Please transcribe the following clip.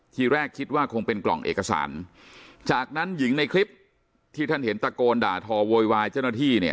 ทีแรกคิดว่าคงเป็นกล่องเอกสารจากนั้นหญิงในคลิปที่ท่านเห็นตะโกนด่าทอโวยวายเจ้าหน้าที่เนี่ย